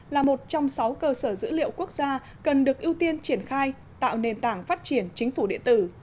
là một trong sáu cơ sở dữ liệu quốc gia cần được ưu tiên triển khai tạo nền tảng phát triển chính phủ điện tử